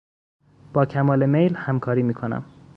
با کمال میل همکاری میکنم.